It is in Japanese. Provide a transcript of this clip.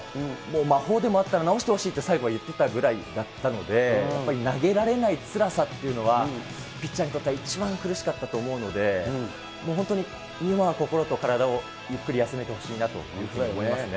魔法でもあったら治してほしいと最後は言ってたぐらいだったんで、やっぱり投げられないつらさっていうのは、ピッチャーにとっては一番苦しかったと思うので、もう本当に今は心と体をゆっくり休めてほしいなというふうに思いますね。